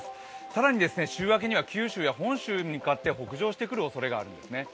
更に週明けには九州や本州に向けて北上してくるおそれがあるんですね。